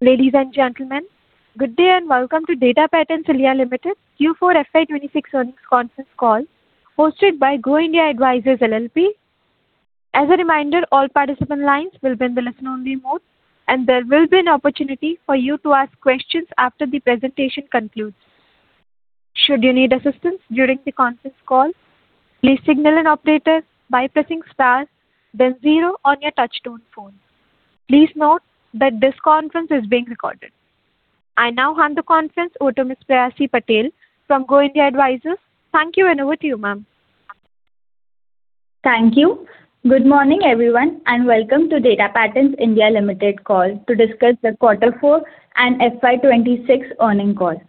Ladies and gentlemen, good day and welcome to Data Patterns India Limited Q4 FY 2026 earnings conference call hosted by Go India Advisors LLP. As a reminder, all participant lines will be in the listen-only mode, and there will be an opportunity for you to ask questions after the presentation concludes. Should you need assistance during the conference call, please signal an operator by pressing star then zero on your touch-tone phone. Please note that this conference call is being recorded. I now hand the conference over to Ms. Prayasi Patel from Go India Advisors. Thank you, and over to you, ma'am. Thank you. Good morning, everyone, and welcome to Data Patterns India Limited call to discuss the Q4 and FY 2026 earning call.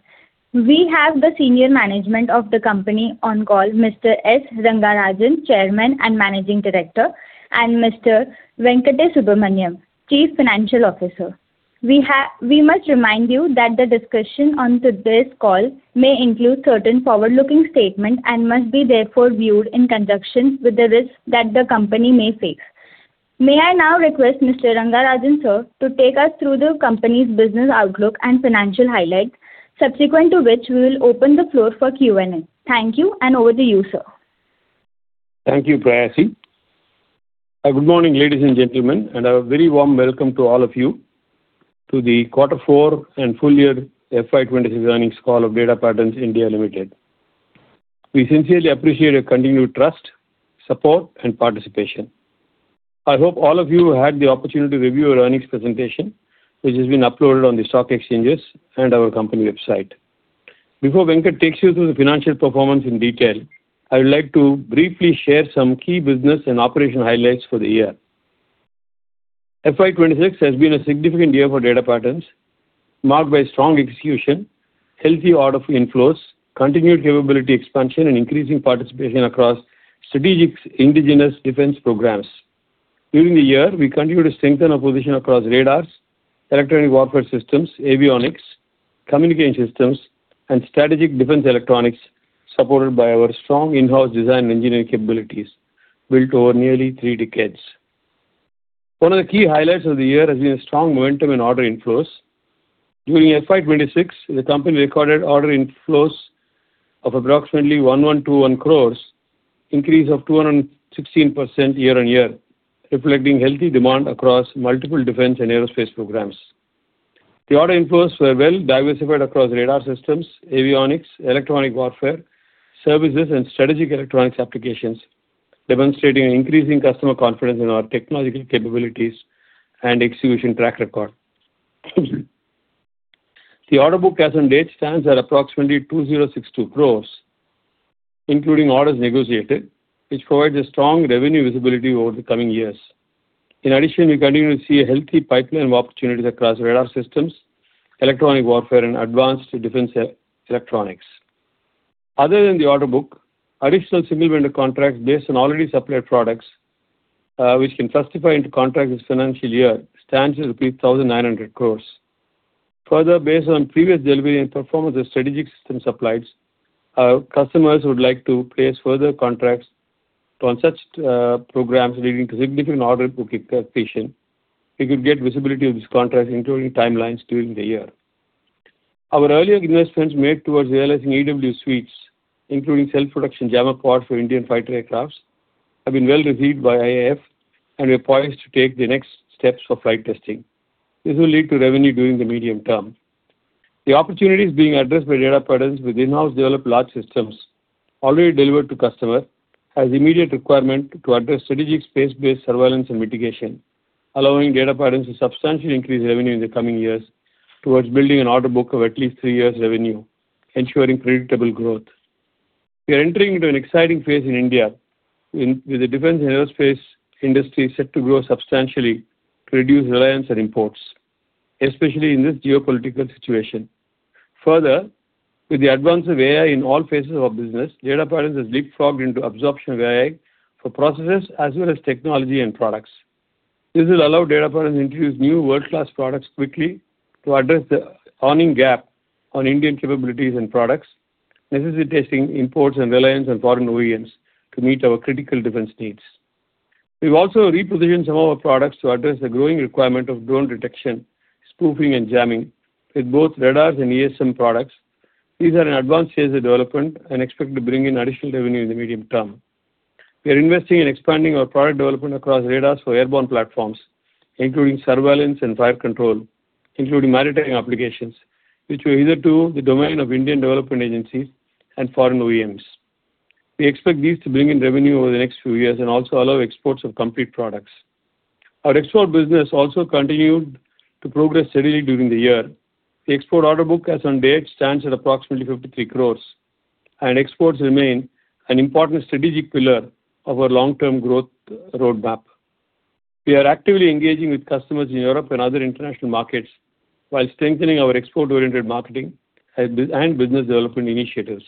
We have the senior management of the company on call, Mr. S. Rangarajan, Chairman and Managing Director, and Mr. Venkata Subramanian, Chief Financial Officer. We must remind you that the discussion on today's call may include certain forward-looking statements and must be therefore viewed in conjunction with the risks that the company may face. May I now request Mr. Rangarajan, sir, to take us through the company's business outlook and financial highlights, subsequent to which we will open the floor for Q&A. Thank you, and over to you, sir. Thank you, Prayasi. Good morning, ladies and gentlemen, and a very warm welcome to all of you to the Q4 and full year FY 2026 earnings call of Data Patterns India Limited. We sincerely appreciate your continued trust, support, and participation. I hope all of you had the opportunity to review our earnings presentation, which has been uploaded on the stock exchanges and our company website. Before Venkat takes you through the financial performance in detail, I would like to briefly share some key business and operational highlights for the year. FY 2026 has been a significant year for Data Patterns, marked by strong execution, healthy order inflows, continued capability expansion, and increasing participation across strategic indigenous defense programs. During the year, we continued to strengthen our position across radars, electronic warfare systems, avionics, communication systems, and strategic defence electronics, supported by our strong in-house design and engineering capabilities built over nearly three decades. One of the key highlights of the year has been a strong momentum in order inflows. During FY 2026, the company recorded order inflows of approximately 1,121 crore, increase of 216% year-on-year, reflecting healthy demand across multiple defence and aerospace programs. The order inflows were well diversified across radar systems, avionics, electronic warfare, services, and strategic electronics applications, demonstrating an increasing customer confidence in our technological capabilities and execution track record. The order book as on date stands at approximately 2,062 crore, including orders negotiated, which provides a strong revenue visibility over the coming years. In addition, we continue to see a healthy pipeline of opportunities across radar systems, electronic warfare, and advanced defense electronics. Other than the order book, additional single vendor contracts based on already supplied products, which can justify into contracts this financial year, stands at 1,900 crore. Further, based on previous delivery and performance of strategic system supplies, our customers would like to place further contracts on such programs leading to significant order book expansion. We could get visibility of this contract including timelines during the year. Our early investments made towards realizing EW suites, including self-protection jammer pod for Indian fighter aircraft, have been well received by IAF and we are poised to take the next steps for flight testing. This will lead to revenue during the medium term. The opportunities being addressed by Data Patterns with in-house developed large systems already delivered to customer has immediate requirement to address strategic space-based surveillance and mitigation, allowing Data Patterns to substantially increase revenue in the coming years towards building an order book of at least three years revenue, ensuring predictable growth. We are entering into an exciting phase in India with the defense and aerospace industry set to grow substantially to reduce reliance on imports, especially in this geopolitical situation. Further, with the advance of AI in all phases of our business, Data Patterns has leapfrogged into absorption of AI for processes as well as technology and products. This will allow Data Patterns to introduce new world-class products quickly to address the earning gap on Indian capabilities and products, necessitating imports and reliance on foreign OEMs to meet our critical defense needs. We've also repositioned some of our products to address the growing requirement of drone detection, spoofing, and jamming with both radars and ESM products. These are in advanced stages of development and expect to bring in additional revenue in the medium term. We are investing in expanding our product development across radars for airborne platforms, including surveillance and fire control, including maritime applications, which were hitherto the domain of Indian development agencies and foreign OEMs. We expect these to bring in revenue over the next few years and also allow exports of complete products. Our export business also continued to progress steadily during the year. The export order book as on date stands at approximately 53 crore, and exports remain an important strategic pillar of our long-term growth roadmap. We are actively engaging with customers in Europe and other international markets while strengthening our export-oriented marketing and business development initiatives.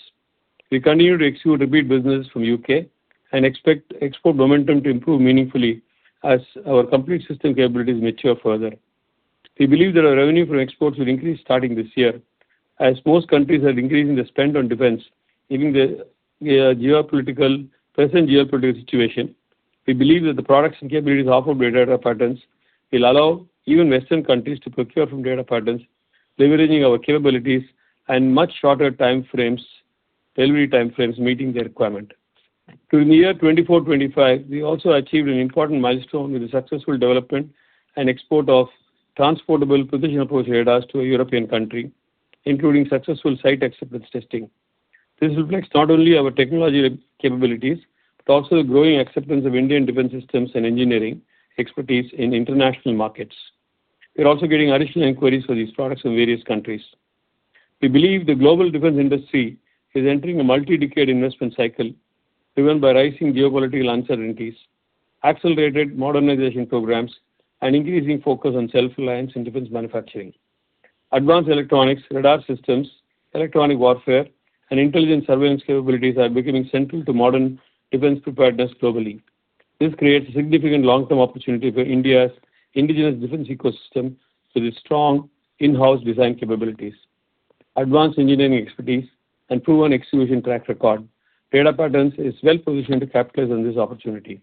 We continue to execute repeat business from U.K. and expect export momentum to improve meaningfully as our complete system capabilities mature further. We believe that our revenue from exports will increase starting this year. As most countries are increasing the spend on defense, given the present geopolitical situation, we believe that the products and capabilities offered by Data Patterns will allow even Western countries to procure from Data Patterns, leveraging our capabilities and much shorter time frames, delivery time frames, meeting the requirement. Through the year 2024/2025, we also achieved an important milestone with the successful development and export of transportable precision approach radars to a European country, including successful site acceptance testing. This reflects not only our technology capabilities, but also the growing acceptance of Indian defense systems and engineering expertise in international markets. We're also getting additional inquiries for these products from various countries. We believe the global defense industry is entering a multi-decade investment cycle driven by rising geopolitical uncertainties, accelerated modernization programs, and increasing focus on self-reliance and defense manufacturing. Advanced electronics, radar systems, electronic warfare, and intelligence surveillance capabilities are becoming central to modern defense preparedness globally. This creates a significant long-term opportunity for India's indigenous defense ecosystem with its strong in-house design capabilities, advanced engineering expertise, and proven execution track record. Data Patterns is well-positioned to capitalize on this opportunity.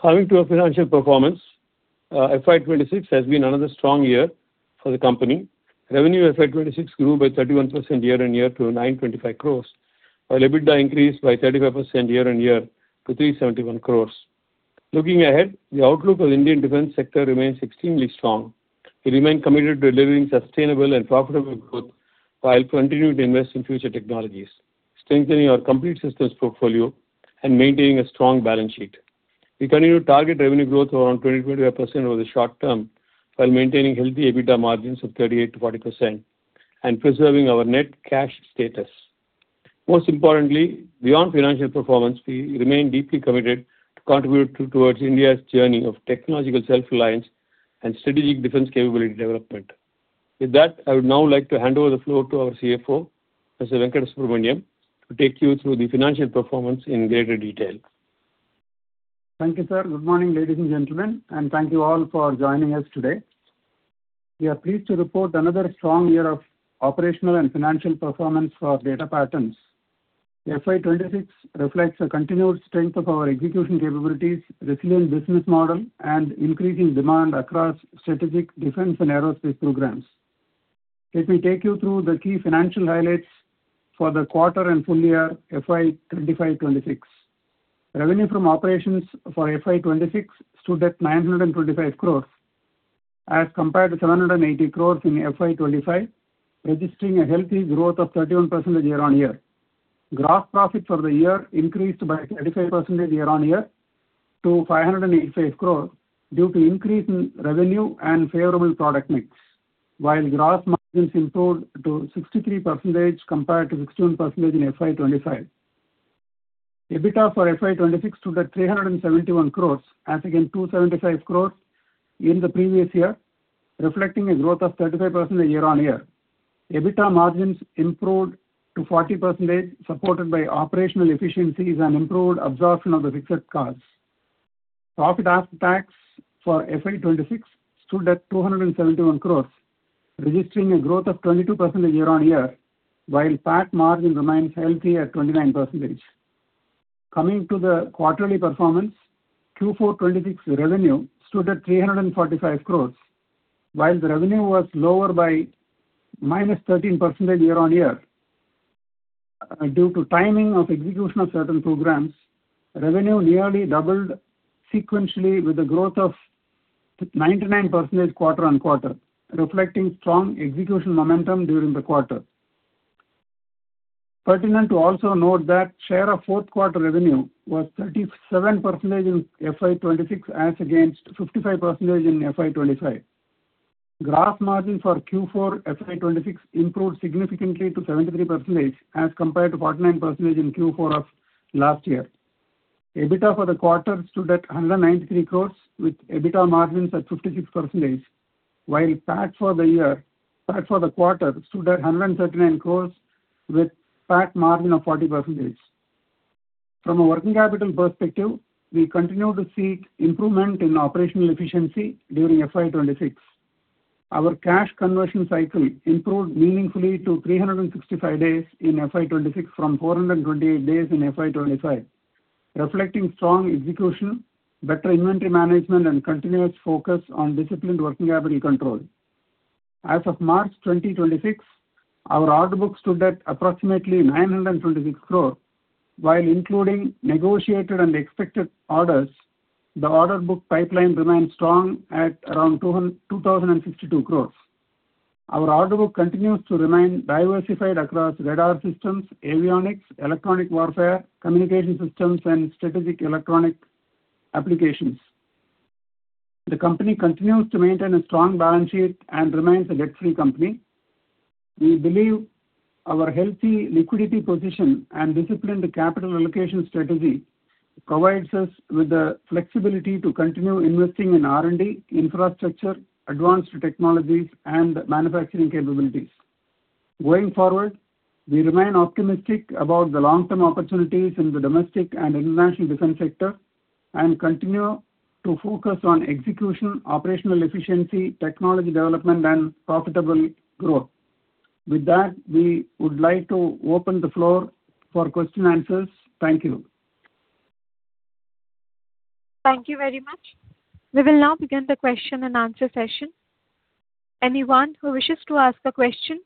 Coming to our financial performance, FY 2026 has been another strong year for the company. Revenue FY 2026 grew by 31% year-on-year to 925 crores, while EBITDA increased by 35% year-on-year to 371 crore. Looking ahead, the outlook of Indian defense sector remains extremely strong. We remain committed to delivering sustainable and profitable growth while continuing to invest in future technologies, strengthening our complete systems portfolio, and maintaining a strong balance sheet. We continue to target revenue growth of around 20%-25% over the short term while maintaining healthy EBITDA margins of 38%-40% and preserving our net cash status. Most importantly, beyond financial performance, we remain deeply committed towards India's journey of technological self-reliance and strategic defense capability development. With that, I would now like to hand over the floor to our CFO, Mr. Venkata Subramanian, to take you through the financial performance in greater detail. Thank you, sir. Good morning, ladies and gentlemen, and thank you all for joining us today. We are pleased to report another strong year of operational and financial performance for Data Patterns. FY 2026 reflects the continued strength of our execution capabilities, resilient business model, and increasing demand across strategic defense and aerospace programs. Let me take you through the key financial highlights for the quarter and full year FY 2025/2026. Revenue from operations for FY 2026 stood at 925 crore as compared to 780 crore in FY 2025, registering a healthy growth of 31% year-on-year. Gross profit for the year increased by 35% year-on-year to 585 crore due to increase in revenue and favorable product mix, while gross margins improved to 63% compared to 61% in FY 2025. EBITDA for FY 2026 stood at 371 crore as against 275 crore in the previous year, reflecting a growth of 35% year-on-year. EBITDA margins improved to 40%, supported by operational efficiencies and improved absorption of the fixed costs. Profit after tax for FY 2026 stood at 271 crore, registering a growth of 22% year-on-year, while PAT margin remains healthy at 29%. Coming to the quarterly performance, Q4 2026 revenue stood at 345 crore, while the revenue was lower by -13% year-on-year. Due to timing of execution of certain programs, revenue nearly doubled sequentially with a growth of 99% quarter-on-quarter, reflecting strong execution momentum during the quarter. Pertinent to also note that share of fourth quarter revenue was 37% in FY 2026 as against 55% in FY 2025. Gross margin for Q4 FY 2026 improved significantly to 73% as compared to 49% in Q4 of last year. EBITDA for the quarter stood at 193 crore with EBITDA margins at 56%, while PAT for the quarter stood at 139 crore with PAT margin of 40%. From a working capital perspective, we continue to see improvement in operational efficiency during FY 2026. Our cash conversion cycle improved meaningfully to 365 days in FY 2026 from 428 days in FY 2025, reflecting strong execution, better inventory management, and continuous focus on disciplined working capital control. As of March 2026, our order book stood at approximately 926 crore. Including negotiated and expected orders, the order book pipeline remains strong at around 2,062 crore. Our order book continues to remain diversified across radar systems, avionics, electronic warfare, communication systems, and strategic electronic applications. The company continues to maintain a strong balance sheet and remains a debt-free company. We believe our healthy liquidity position and disciplined capital allocation strategy provides us with the flexibility to continue investing in R&D, infrastructure, advanced technologies, and manufacturing capabilities. Going forward, we remain optimistic about the long-term opportunities in the domestic and international defense sector. Continue to focus on execution, operational efficiency, technology development, and profitable growth. With that, we would like to open the floor for question and answers. Thank you. Thank you very much. We will now begin the question-and-answer session. If you want permission to ask a question,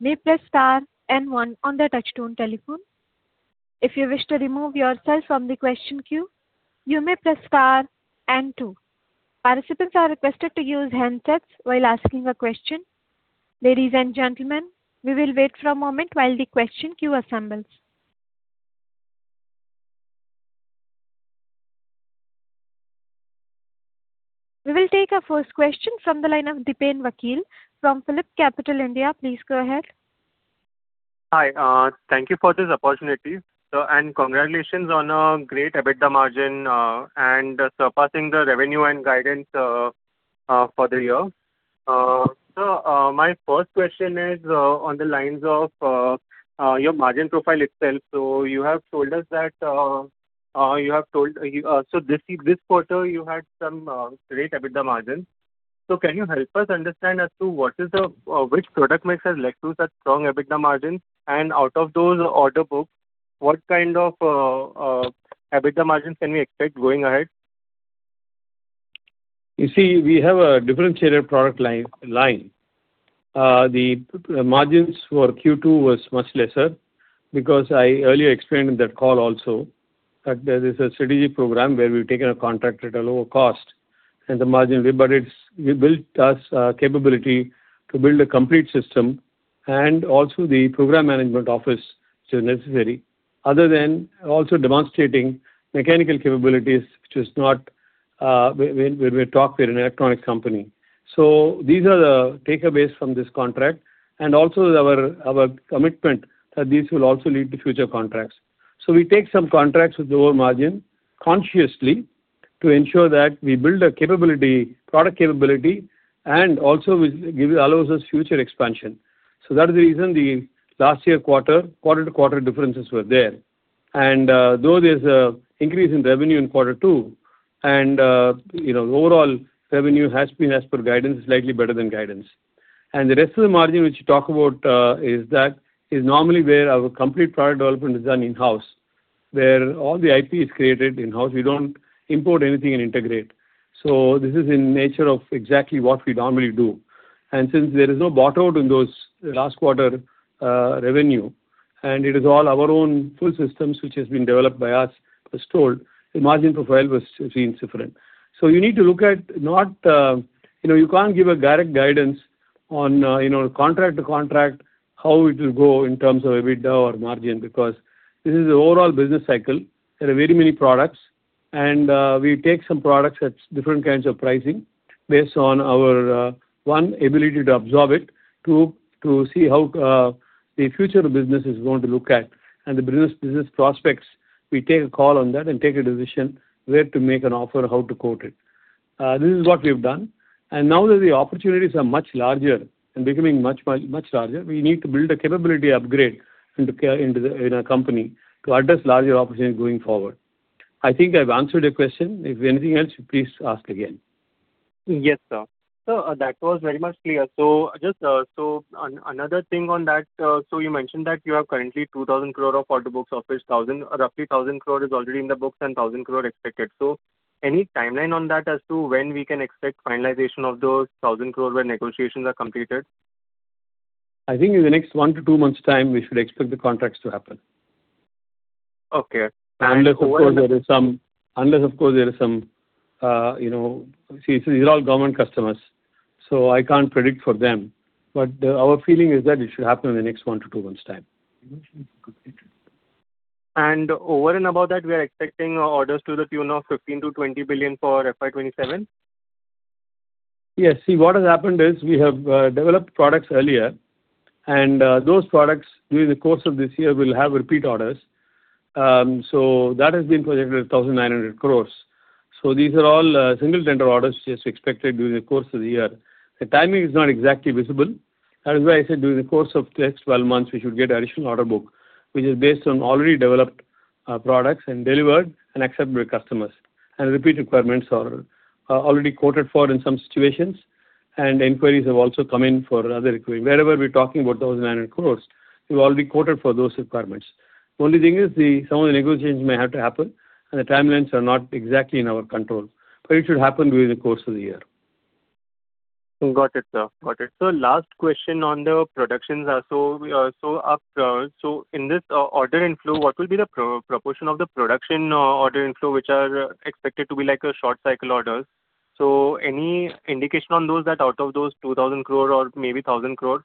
please dial star and one on the touchtone telephone. If you wish to remove yourself from the question queue, you may press star and two. Participants are asked to use handset while asking a question. Ladies and gentlemen we will wait for a moment while the question queue assembles. We will take our first question from the line of Dipen Vakil from PhillipCapital India. Please go ahead. Hi. Thank you for this opportunity. Congratulations on a great EBITDA margin and surpassing the revenue and guidance for the year. My first question is on the lines of your margin profile itself. You have told us that this quarter you had some great EBITDA margin. Can you help us understand as to what is the which product mix has led to such strong EBITDA margin? Out of those order books, what kind of EBITDA margin can we expect going ahead? You see, we have a differentiated product line. The margins for Q2 were much lesser because I earlier explained in that call also that there is a strategic program where we've taken a contract at a lower cost and the margin. It's built us capability to build a complete system and also the program management office which is necessary, other than also demonstrating mechanical capabilities, which is not when we talk, we're an electronics company. These are the takeaways from this contract, and also our commitment that this will also lead to future contracts. We take some contracts with lower margin consciously to ensure that we build a capability, product capability, and also allows us future expansion. That is the reason the last year quarter-to-quarter differences were there. Though there's a increase in revenue in quarter two and, you know, overall revenue has been as per guidance, slightly better than guidance. The rest of the margin which you talk about, is that is normally where our complete product development is done in-house. Where all the IP is created in-house. We don't import anything and integrate. This is in nature of exactly what we normally do. Since there is no bought-outs those last quarter, revenue, and it is all our own full systems which has been developed by us as told, the margin profile has been different. You need to look at not, you know, you can't give a direct guidance on, you know, contract to contract, how it will go in terms of EBITDA or margin, because this is the overall business cycle. There are very many products and we take some products at different kinds of pricing based on our one, ability to absorb it, two, to see how the future business is going to look at. The business prospects, we take a call on that and take a decision where to make an offer, how to quote it. This is what we've done. Now that the opportunities are much larger and becoming much, much larger, we need to build a capability upgrade into the, in our company to address larger opportunities going forward. I think I've answered your question. If anything else, please ask again. Yes, sir. That was very much clear. Just another thing on that, you mentioned that you have currently 2,000 crore of order books, of which 1,000, roughly 1,000 crore, is already in the books and 1,000 crore expected. Any timeline on that as to when we can expect finalization of those 1,000 crore when negotiations are completed? I think in the next one to two months' time, we should expect the contracts to happen. Okay. Unless of course there is some, you know, see these are all government customers. I can't predict for them. Our feeling is that it should happen in the next one to two months' time. Over and above that, we are expecting orders to the tune of 15 billion-20 billion for FY 2027? Yes. See, what has happened is we have developed products earlier and those products during the course of this year will have repeat orders. That has been projected at 1,900 crore. These are all single tender orders which is expected during the course of the year. The timing is not exactly visible. That is why I said during the course of the next 12 months we should get additional order book, which is based on already developed products and delivered and accepted by customers. Repeat requirements are already quoted for in some situations, and inquiries have also come in for other equipment. Wherever we're talking about those 900 crore, we've already quoted for those requirements. Only thing is the, some of the negotiations may have to happen, and the timelines are not exactly in our control, but it should happen during the course of the year. Got it, sir. Got it. Sir, last question on the productions. In this order inflow, what will be the proportion of the production order inflow, which are expected to be like short cycle orders? Any indication on those that out of those 2,000 crore or maybe 1,000 crore,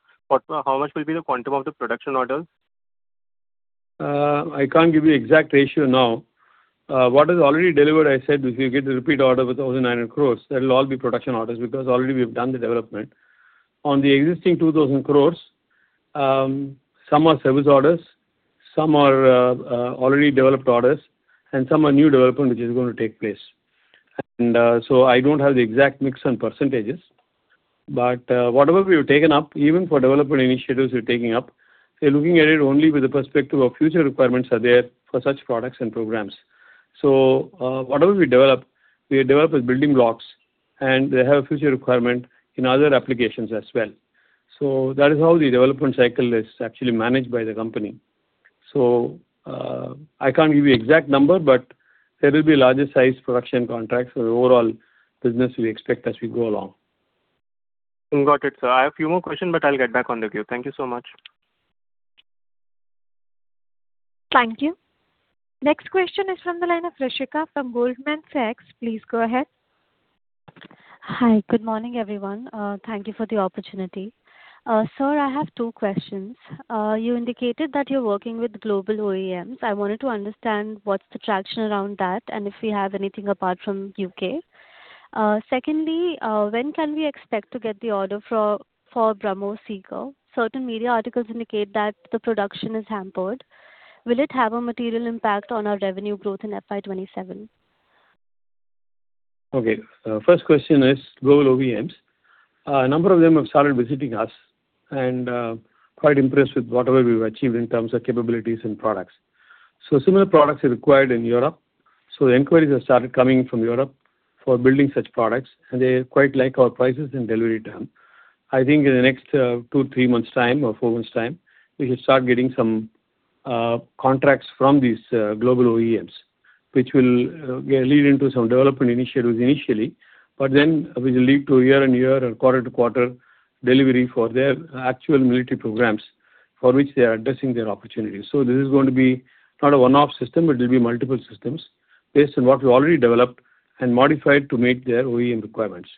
how much will be the quantum of the production orders? I can't give you exact ratio now. What is already delivered, I said if you get a repeat order with 1,900 crore, that'll all be production orders because already we've done the development. On the existing 2,000 crore, some are service orders, some are already developed orders, and some are new development which is going to take place. I don't have the exact mix and percentages. Whatever we've taken up, even for development initiatives we're taking up, we're looking at it only with the perspective of future requirements are there for such products and programs. Whatever we develop, we develop as building blocks, and they have a future requirement in other applications as well. That is how the development cycle is actually managed by the company. I can't give you exact number, but there will be larger size production contracts for the overall business we expect as we go along. Got it, sir. I have a few more questions, but I'll get back on the queue. Thank you so much. Thank you. Next question is from the line of Rishika from Goldman Sachs. Please go ahead. Hi. Good morning, everyone. Thank you for the opportunity. Sir, I have two questions. You indicated that you're working with global OEMs. I wanted to understand what's the traction around that, and if we have anything apart from U.K. Secondly, when can we expect to get the order for BrahMos seeker? Certain media articles indicate that the production is hampered. Will it have a material impact on our revenue growth in FY 2027? Okay. First question is global OEMs. A number of them have started visiting us and quite impressed with whatever we've achieved in terms of capabilities and products. Similar products are required in Europe, so the inquiries have started coming from Europe for building such products, and they quite like our prices and delivery time. I think in the next two, three months' time or four months' time, we should start getting some contracts from these global OEMs, which will lead into some development initiatives initially but then it will lead to year-on-year or quarter-to-quarter delivery for their actual military programs for which they are addressing their opportunities. This is going to be not a one-off system, it will be multiple systems based on what we already developed and modified to meet their OEM requirements.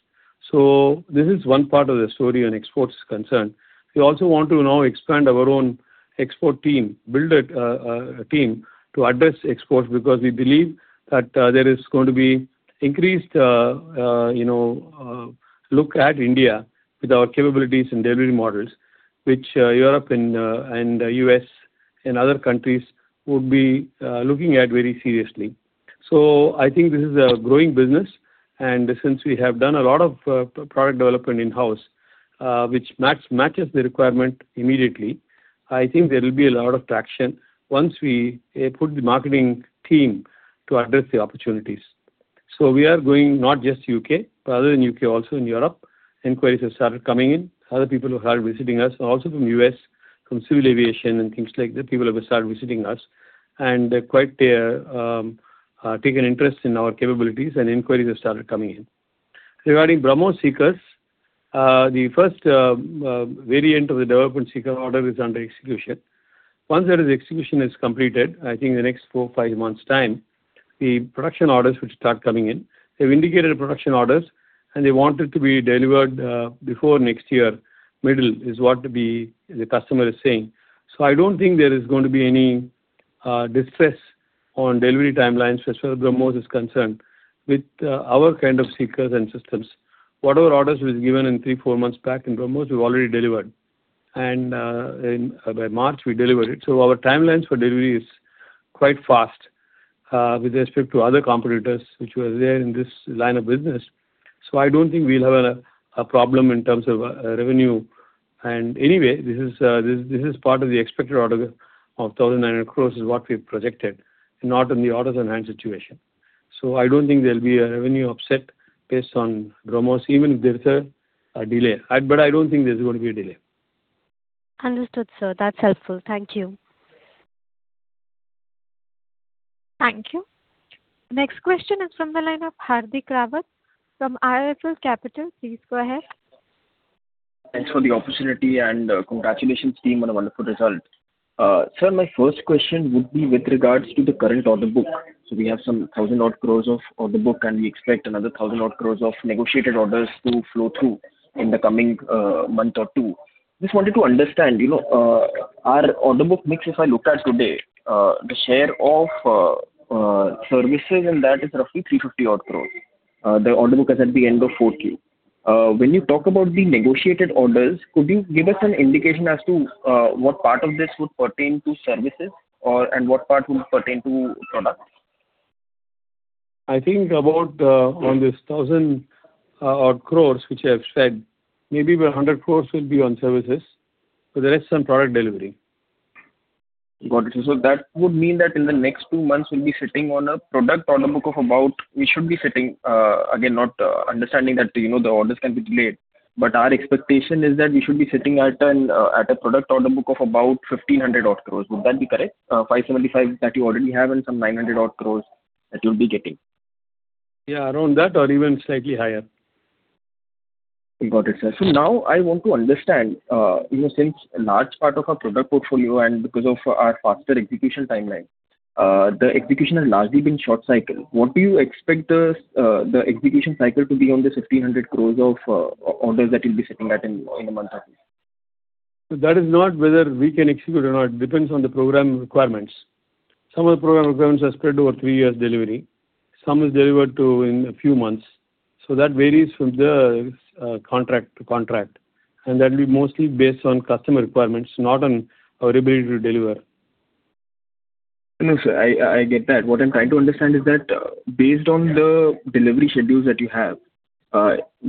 This is one part of the story on exports concerned. We also want to now expand our own export team, build a team to address exports because we believe that there is going to be increased, you know, look at India with our capabilities and delivery models, which Europe and U.S. and other countries would be looking at very seriously. I think this is a growing business. Since we have done a lot of product development in-house, which matches the requirement immediately, I think there will be a lot of traction once we put the marketing team to address the opportunities. We are going not just U.K., but other than U.K., also in Europe. Inquiries have started coming in. Other people have started visiting us, also from U.S., from civil aviation and things like that. People have started visiting us, and they're quite taken interest in our capabilities and inquiries have started coming in. Regarding BrahMos seekers, the first variant of the development seeker order is under execution. Once that execution is completed, I think in the next four, five months' time, the production orders will start coming in. They've indicated production orders, and they want it to be delivered before next year. Middle is what the customer is saying. I don't think there is going to be any distress on delivery timelines as far as BrahMos is concerned. With our kind of seekers and systems, whatever orders was given in three, four months back in BrahMos, we've already delivered and by March we delivered it. Our timelines for delivery is quite fast with respect to other competitors which were there in this line of business. I don't think we'll have a problem in terms of revenue. Anyway, this is part of the expected order of 1,000 crore is what we've projected, not in the orders on hand situation. I don't think there'll be a revenue upset based on BrahMos even if there's a delay. I don't think there's going to be a delay. Understood, sir. That's helpful. Thank you. Thank you. Next question is from the line of Hardik Rawat from IIFL Capital. Please go ahead. Thanks for the opportunity and congratulations team on a wonderful result. Sir, my first question would be with regards to the current order book. We have some 1,000 odd crore of order book, and we expect another 1,000 odd crore of negotiated orders to flow through in the coming month or two. Just wanted to understand, you know, our order book mix, if I look at today, the share of services in that is roughly 350 odd crore. The order book as at the end of Q4. When you talk about the negotiated orders, could you give us an indication as to what part of this would pertain to services or, and what part would pertain to products? I think about on this 1,000 crore which I have said, maybe about 100 crore will be on services. The rest on product delivery. Got it. We should be sitting, again, not understanding that, you know, the orders can be delayed. Our expectation is that we should be sitting at a product order book of about 1,500-odd crore. Would that be correct? 575 crore that you already have and some 900-odd crore that you'll be getting. Yeah, around that or even slightly higher. Got it, sir. Now I want to understand, you know, since a large part of our product portfolio and because of our faster execution timeline, the execution has largely been short cycle. What do you expect the execution cycle to be on this 1,500 crore of orders that you'll be sitting at in a month or two? That is not whether we can execute or not. Depends on the program requirements. Some of the program requirements are spread over three years delivery. Some is delivered to in a few months. That varies from the contract to contract and that'll be mostly based on customer requirements, not on our ability to deliver. No, sir, I get that. What I am trying to understand is that based on the delivery schedules that you have,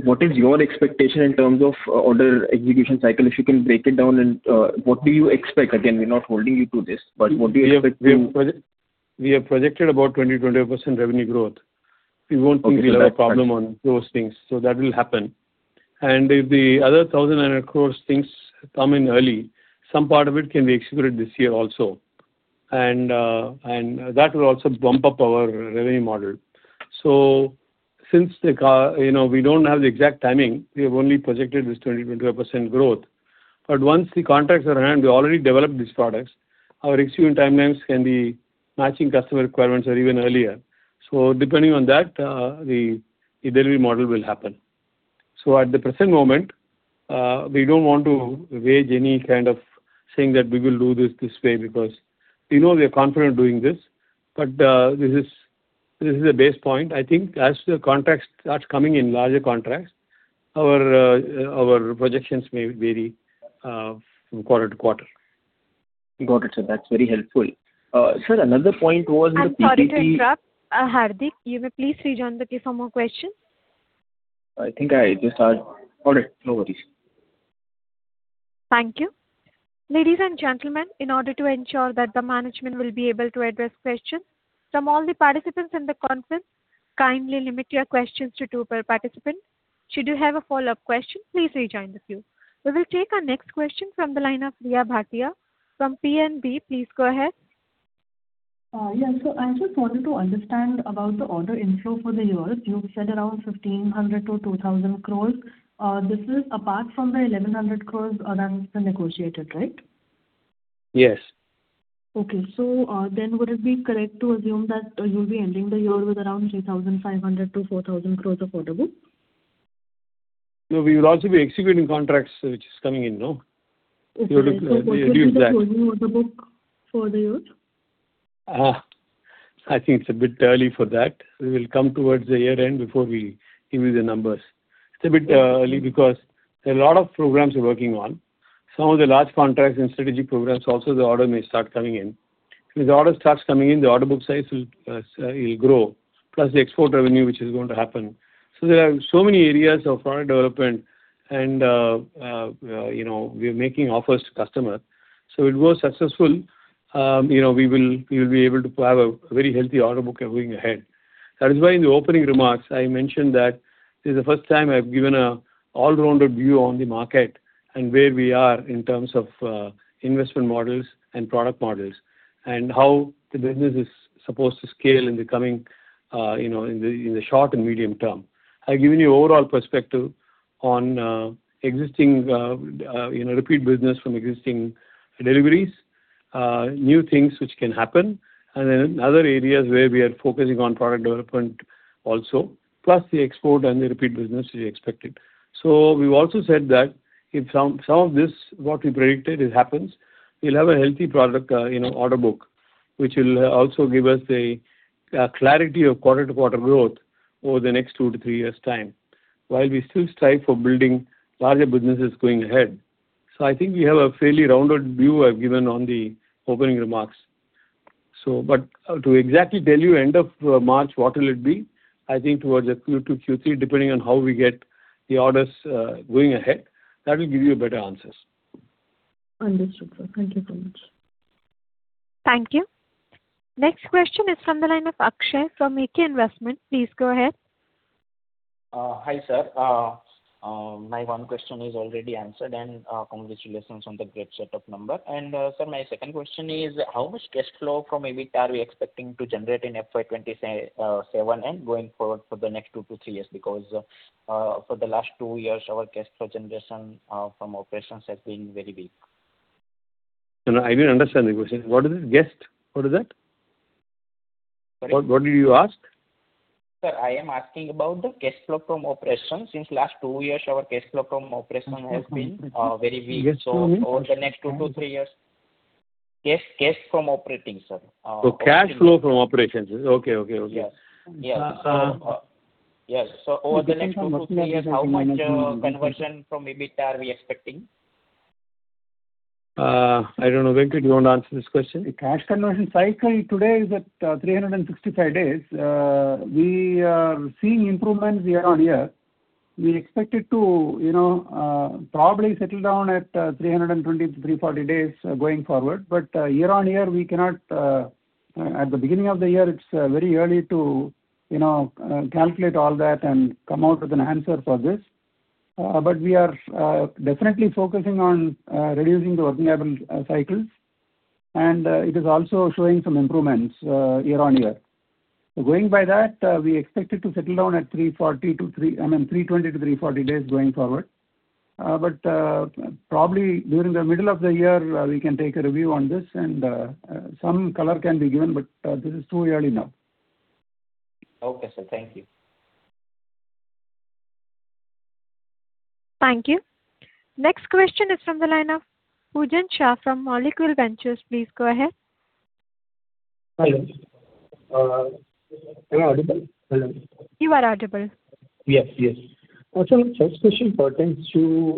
what is your expectation in terms of order execution cycle? If you can break it down, what do you expect? Again, we are not holding you to this, what do you expect? We have projected about 20%-21% revenue growth. We won't think we'll have a problem on those things, so that will happen. If the other 1,000 crore things come in early, some part of it can be executed this year also and so that will also bump up our revenue model. Since the, you know, we don't have the exact timing, we have only projected this 20%-21% growth. Once the contracts are earned, we already developed these products. Our execution timelines can be matching customer requirements or even earlier. Depending on that, the delivery model will happen. At the present moment, we don't want to wager any kind of saying that we will do this this way because we know we are confident doing this. This is a base point. I think as the contracts starts coming in larger contracts, our projections may vary from quarter-to-quarter. Got it, sir. That's very helpful. I'm sorry to interrupt. Hardik, you may please rejoin the queue for more questions. I think I just asked. All right, no worries. Thank you. Ladies and gentlemen, in order to ensure that the management will be able to address questions from all the participants in the conference, kindly limit your questions to two per participant. Should you have a follow-up question, please rejoin the queue. We will take our next question from the line of Riya Bhatia from PNB. Please go ahead. Yes. I just wanted to understand about the order inflow for the year. You said around 1,500 crore-2,000 crore. This is apart from the 1,100 crore that's been negotiated, right? Yes. Okay. Would it be correct to assume that you'll be ending the year with around 3,500 crore-4,000 crore of order book? No, we will also be executing contracts which is coming in, no? We have to review that. Okay. What will be the closing order book for the year? I think it's a bit early for that. We will come towards the year-end before we give you the numbers. It's a bit early because there are a lot of programs we're working on. Some of the large contracts and strategic programs also the order may start coming in. If the order starts coming in, the order book size will, it'll grow, plus the export revenue which is going to happen. There are so many areas of product development and, you know, we are making offers to customer. If it was successful, you know, we will be able to have a very healthy order book going ahead. That is why in the opening remarks I mentioned that this is the first time I've given a all-rounded view on the market and where we are in terms of investment models and product models, and how the business is supposed to scale in the coming, you know, in the short and medium term. I've given you overall perspective on existing, you know, repeat business from existing deliveries, new things which can happen, and then other areas where we are focusing on product development also, plus the export and the repeat business we expected. We've also said that if some of this, what we predicted, it happens, we'll have a healthy product, you know, order book, which will also give us a clarity of quarter-to-quarter growth over the next two to three years' time, while we still strive for building larger businesses going ahead. I think we have a fairly rounded view I've given on the opening remarks. To exactly tell you end of March, what will it be, I think towards the Q2, Q3, depending on how we get the orders going ahead, that will give you better answers. Understood, sir. Thank you so much. Thank you. Next question is from the line of Akshay from AK Investment. Please go ahead. Hi, sir. My one question is already answered, and congratulations on the great set of number. Sir, my second question is how much cash flow from EBIT are we expecting to generate in FY 2027 and going forward for the next two to three years? Because for the last two years, our cash flow generation from operations has been very weak. No, I didn't understand the question. What is this CapEx? What is that? Sorry? What did you ask? Sir, I am asking about the cash flow from operations. Since last two years, our cash flow from operations has been very weak. Guest flow? Over the next two to three years. Cash from operating, sir. Oh, cash flow from operations. Okay. Okay. Okay. Yes. Yes. Uh- Yes. Over the next two to three years, how much conversion from EBIT are we expecting? I don't know. Venkat, do you wanna answer this question? The cash conversion cycle today is at 365 days. We are seeing improvements year on year. We expect it to, you know, probably settle down at 320-340 days going forward. Year-on-year, we cannot. At the beginning of the year, it's very early to, you know, calculate all that and come out with an answer for this. We are definitely focusing on reducing the working capital cycle, and it is also showing some improvements year on year. Going by that, we expect it to settle down at, I mean, 320-340 days going forward. Probably during the middle of the year, we can take a review on this and some color can be given, but this is too early now. Okay, sir. Thank you. Thank you. Next question is from the line of Pujan Shah from Molecule Ventures. Please go ahead. Hello. Am I audible? Hello. You are audible. Yes. Actually, first question pertains to,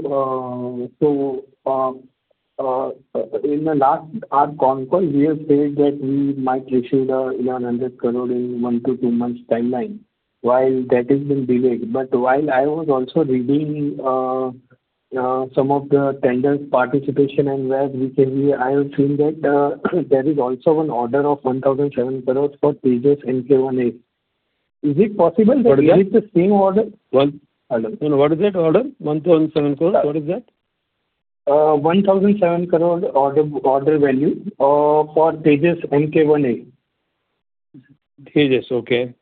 in the last, our con call, we have said that we might receive the 1,100 crore in one to two months timeline. While that has been delayed, but while I was also reading, some of the tender participation and where we can be, I have seen that, there is also an order of 1,007 crore for Tejas Mk 1A. Is it possible that? Pardon me. it is the same order? Pardon. What is that order? 1,007 crore. What is that? 1,007 crore order value, for Tejas Mk 1A. Tejas, okay.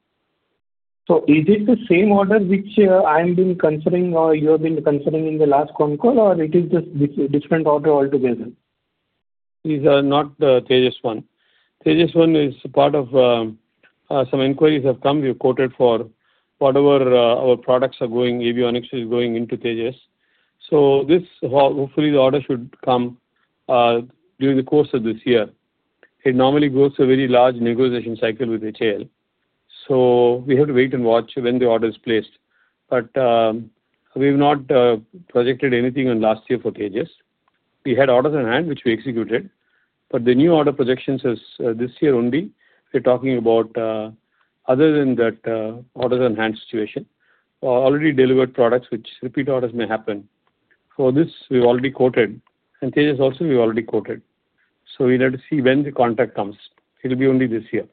Is it the same order which, I'm been considering or you have been considering in the last con call, or it is just different order altogether? These are not the Tejas 1. Tejas 1 is part of some inquiries have come. We've quoted for whatever, our products are going, avionics is going into Tejas. Hopefully the order should come during the course of this year. It normally goes a very large negotiation cycle with HAL, we have to wait and watch when the order is placed. We've not projected anything on last year for Tejas. We had orders on hand, which we executed, the new order projections is this year only. We're talking about other than that, orders on hand situation. Already delivered products which repeat orders may happen. For this, we've already quoted, Tejas also we've already quoted. We'll have to see when the contract comes. It'll be only this year.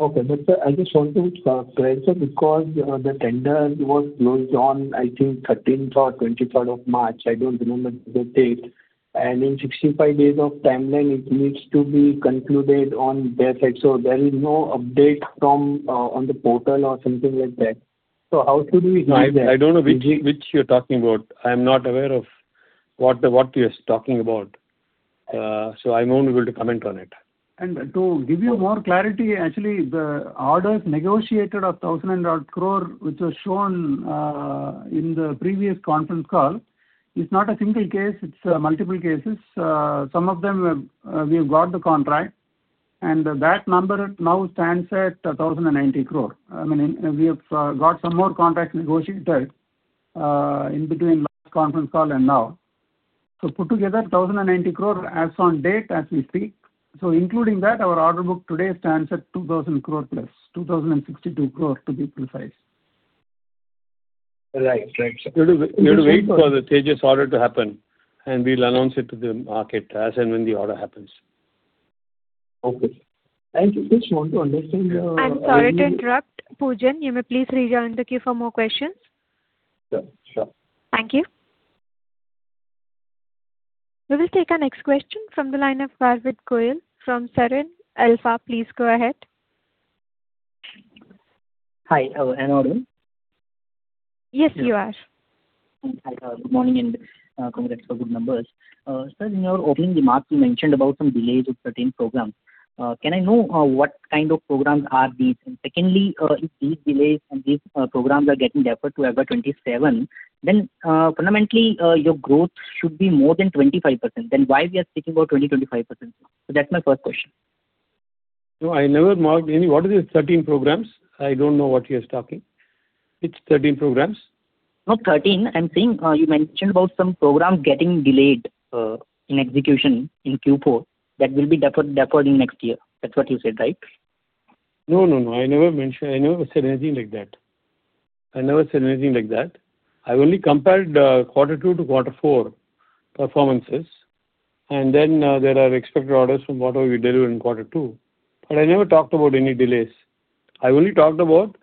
Okay. I just want to clarify, sir, because the tender was closed on, I think, 13th or 23rd of March. I don't remember the date. In 65 days of timeline, it needs to be concluded on their side. There is no update from on the portal or something like that. How should we read that? I don't know which you're talking about. I'm not aware of what you're talking about. I'm not able to comment on it. To give you more clarity, actually, the orders negotiated of 1,000-odd crore, which was shown in the previous conference call, is not a single case, it's multiple cases. Some of them, we have got the contract, and that number now stands at 1,090 crore. I mean, we have got some more contracts negotiated in between last conference call and now. Put together, 1,090 crore as on date as we speak. Including that, our order book today stands at 2,000 crore+, 2,062 crore to be precise. Right. Right, sir. We'll wait for the Tejas order to happen. We'll announce it to the market as and when the order happens. Okay. I just want to understand. I'm sorry to interrupt. Poojan, you may please rejoin the queue for more questions. Sure. Sure. Thank you. We will take our next question from the line of Garvit Goyal from Serene Alpha. Please go ahead. Hi. Hello. Am I audible? Yes, you are. Hi. Good mor ning, and congrats for good numbers. Sir, in your opening remarks, you mentioned about some delays with certain programs. Can I know what kind of programs are these? If these delays and these programs are getting deferred to FY 2027, fundamentally, your growth should be more than 25%. Why we are speaking about 20%-25%? That's my first question. No, I never marked any. What are these 13 programs? I don't know what you're talking. Which 13 programs? Not 13. I'm saying, you mentioned about some programs getting delayed in execution in Q4 that will be deferred in next year. That's what you said, right? No, no. I never said anything like that. I only compared quarter two to quarter four performances. There are expected orders from whatever we deliver in quarter two. I never talked about any delays. I only talked about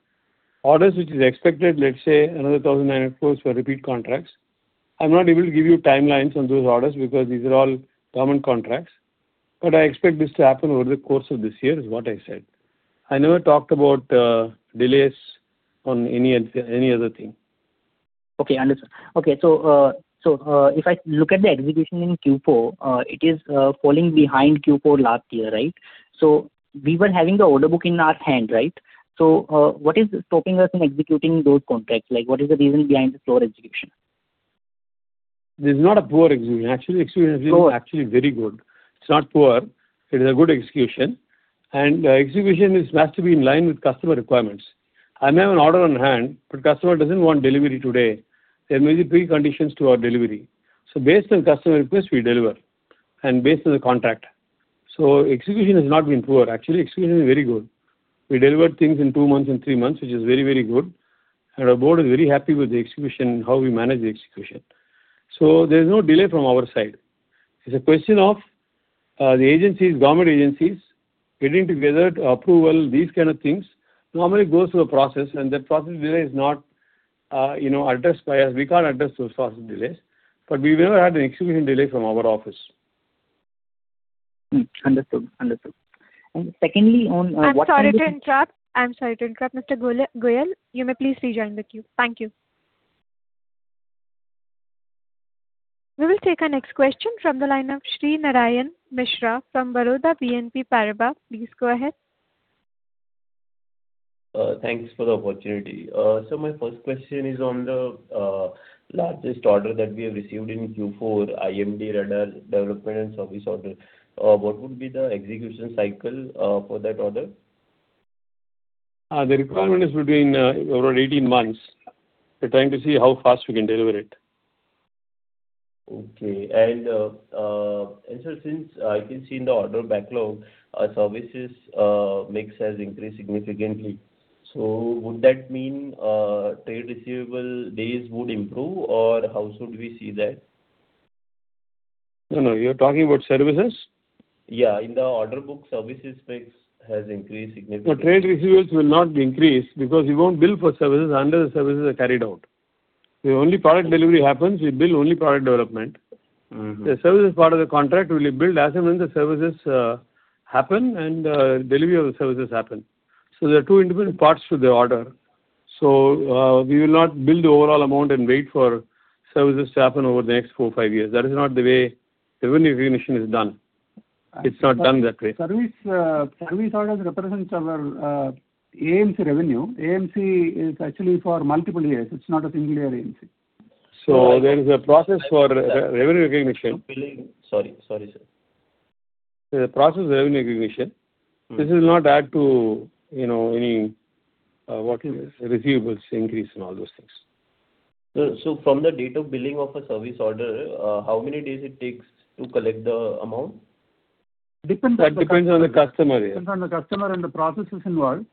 orders which is expected, let's say, another 1,000 and odd crores for repeat contracts. I am not able to give you timelines on those orders because these are all government contracts. I expect this to happen over the course of this year, is what I said. I never talked about delays on any other thing. Okay, understood. Okay. If I look at the execution in Q4, it is falling behind Q4 last year, right? We were having the order book in our hand, right? What is stopping us from executing those contracts? Like, what is the reason behind the poor execution? This is not a poor execution. Poor. Actually, very good. It's not poor. It is a good execution. Execution is, has to be in line with customer requirements. I may have an order on hand, but customer doesn't want delivery today. There may be preconditions to our delivery. Based on customer request, we deliver, and based on the contract. Execution has not been poor. Actually, execution is very good. We delivered things in two months and three months, which is very, very good. Our board is very happy with the execution and how we manage the execution. There's no delay from our side. It's a question of the agencies, government agencies getting together to approve these kind of things. Normally it goes through a process, and that process delay is not, you know, addressed by us. We can't address those process delays. We've never had an execution delay from our office. Understood. I'm sorry to interrupt, Mr. Garvit Goyal. You may please rejoin the queue. Thank you. We will take our next question from the line of Shrinarayan Mishra from Baroda BNP Paribas. Please go ahead. Thanks for the opportunity. My first question is on the, largest order that we have received in Q4, IMD radar development and service order. What would be the execution cycle, for that order? The requirement is between, around 18 months. We're trying to see how fast we can deliver it. Okay. Sir, since I can see in the order backlog, services mix has increased significantly. Would that mean trade receivable days would improve, or how should we see that? No, no. You're talking about services? Yeah. In the order book, services mix has increased significantly. No, trade receivables will not increase because we won't bill for services until the services are carried out. If only product delivery happens, we bill only product development. The services part of the contract will be billed as and when the services happen and delivery of the services happen. There are two independent parts to the order. We will not bill the overall amount and wait for services to happen over the next four, five years. That is not the way revenue recognition is done. It's not done that way. Service orders represents our AMC revenue. AMC is actually for multiple years. It's not a single year AMC. There is a process for re-revenue recognition. Billing. Sorry. Sorry, sir. There's a process revenue recognition. This will not add to, you know, any receivables increase and all those things. From the date of billing of a service order, how many days it takes to collect the amount? Depends on the customer. That depends on the customer, yeah. Depends on the customer and the processes involved.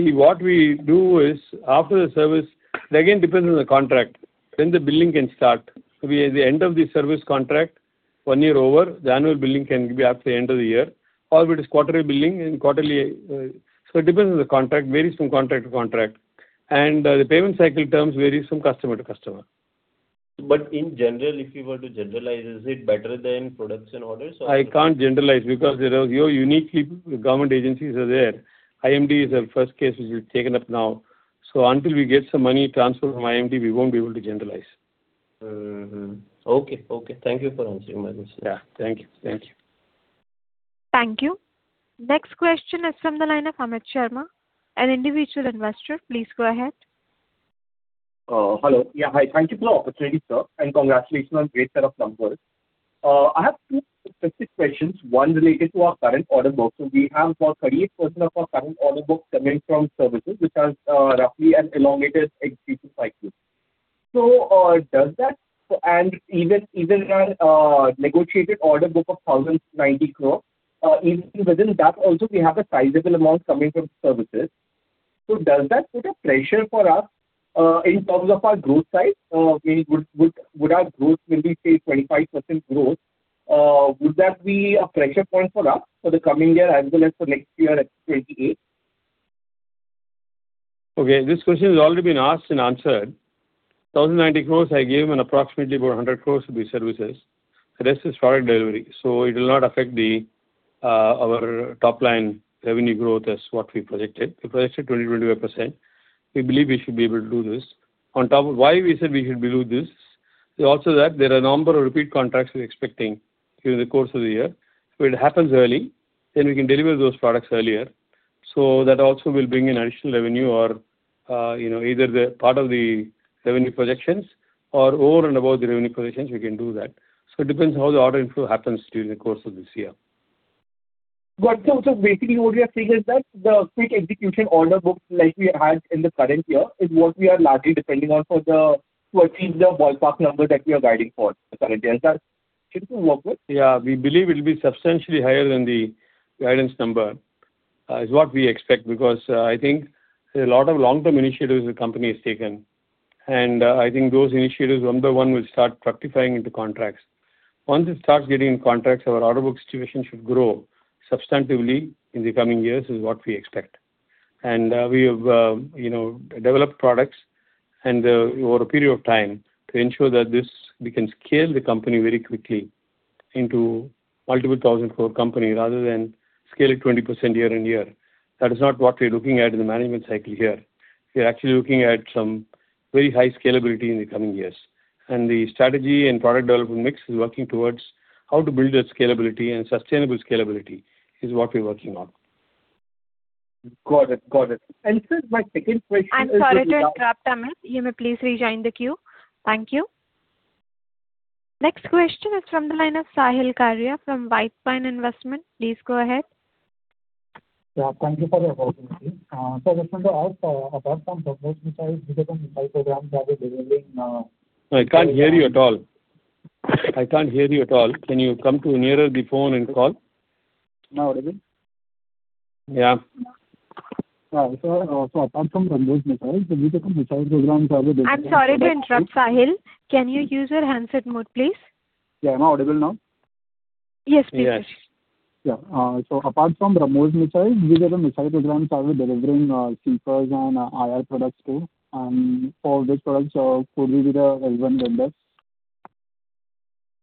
What we do is, after the service, that again depends on the contract, when the billing can start. We, at the end of the service contract, one year over, the annual billing can be at the end of the year. If it is quarterly billing, then quarterly. It depends on the contract. Varies from contract to contract. The payment cycle terms varies from customer to customer. In general, if you were to generalize, is it better than production orders? I can't generalize because there are your uniquely government agencies are there. IMD is our first case which we've taken up now. Until we get some money transferred from IMD, we won't be able to generalize. Okay. Thank you for answering my question. Yeah. Thank you. Thank you. Thank you. Next question is from the line of Amit Sharma, an individual investor. Please go ahead. Hello. Hi. Thank you for the opportunity, sir. Congratulations on great set of numbers. I have two specific questions, one related to our current order book. We have about 38% of our current order book coming from services, which has roughly an elongated execution cycle. Even our negotiated order book of 1,090 crore, even within that also we have a sizable amount coming from services. Does that put a pressure for us in terms of our growth size? I mean, would our growth will be, say, 25% growth? Would that be a pressure point for us for the coming year as well as for next year at 2028? Okay, this question has already been asked and answered. 1,090 crore, I gave an approximately about 100 crore will be services. The rest is product delivery. It will not affect the our top line revenue growth as what we projected. We projected 20%-25%. We believe we should be able to do this. On top of why we said we should be able to do this, is also that there are a number of repeat contracts we're expecting during the course of the year. If it happens early, then we can deliver those products earlier. That also will bring in additional revenue or, you know, either the part of the revenue projections or over and above the revenue projections, we can do that. It depends how the order inflow happens during the course of this year. Basically what we are saying is that the quick execution order book like we had in the current year is what we are largely depending on for the, to achieve the ballpark number that we are guiding for the current year. Is that correct or not correct? Yeah. We believe it'll be substantially higher than the guidance number, is what we expect because, I think there are a lot of long-term initiatives the company has taken. I think those initiatives, number one, will start fructifying into contracts. Once it starts getting contracts, our order book situation should grow substantively in the coming years, is what we expect. We have, you know, developed products over a period of time to ensure that we can scale the company very quickly into multiple 1,000 crore company rather than scale it 20% year-on-year. That is not what we're looking at in the management cycle here. We're actually looking at some very high scalability in the coming years. The strategy and product development mix is working towards how to build that scalability, and sustainable scalability is what we're working on. Got it. Got it. Sir, my second question is. I'm sorry to interrupt, Amit. You may please rejoin the queue. Thank you. Next question is from the line of Sahil Karia from White Pine Investment. Please go ahead. Yeah, thank you for the opportunity. I just want to ask, apart from BrahMos missiles, which are the missile programs are you delivering? No, I can't hear you at all. I can't hear you at all. Can you come to nearer the phone and call? Now audible? Yeah. Yeah. Apart from BrahMos missiles, which are the missile programs are you delivering? I'm sorry to interrupt, Sahil. Can you use your handset mode, please? Yeah. Am I audible now? Yes, please. Yes. Yeah. Apart from BrahMos missiles, which are the missile programs are you delivering products to? For which products are we L1 vendors?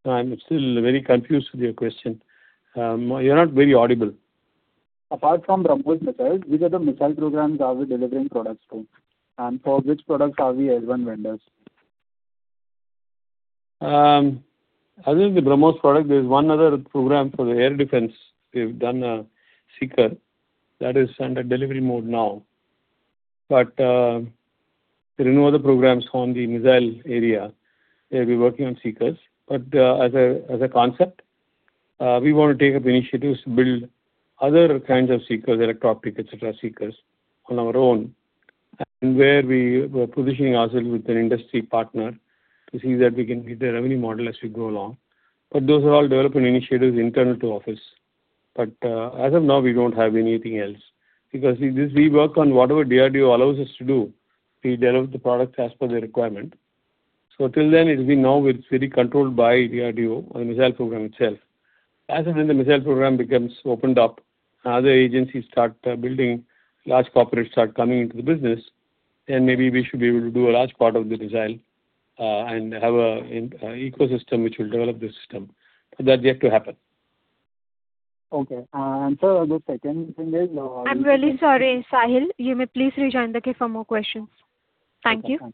No, I'm still very confused with your question. You're not very audible. Apart from BrahMos missiles, which are the missile programs are you delivering products to? For which products are we L1 vendors? Other than the BrahMos product, there's one other program for the air defense. We've done a seeker that is under delivery mode now. There are no other programs on the missile area. We're working on seekers. As a concept, we want to take up initiatives to build other kinds of seekers, electro-optic, etc., seekers on our own. Where we were positioning ourselves with an industry partner to see that we can build a revenue model as we go along. Those are all development initiatives internal to office. As of now, we don't have anything else. We work on whatever DRDO allows us to do. We develop the product as per their requirement. Till then, it will be now very controlled by DRDO on the missile program itself. As and when the missile program becomes opened up and other agencies start building, large corporates start coming into the business, then maybe we should be able to do a large part of the missile and have a ecosystem which will develop the system. That's yet to happen. Okay. Sir, the second thing is. I'm really sorry, Sahil. You may please rejoin the queue for more questions. Thank you. Okay, thank you.